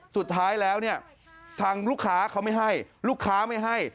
สุดท้ายแล้วเนี่ยทางลูกค้าเขาไม่ให้ลูกค้าไม่ให้